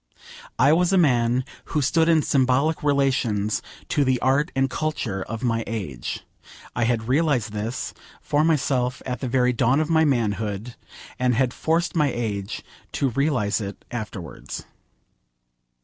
I was a man who stood in symbolic relations to the art and culture of my age. I had realised this for myself at the very dawn of my manhood, and had forced my age to realise it afterwards.